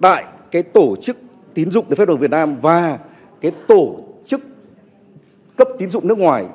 tại tổ chức tính dụng đất phép đồng việt nam và tổ chức cấp tính dụng nước ngoài